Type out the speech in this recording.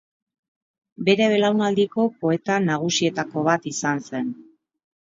Bere belaunaldiko poeta nagusietako bat izan zen.